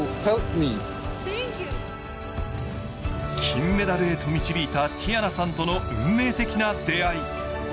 金メダルへと導いたティヤナさんとの運命的な出会い。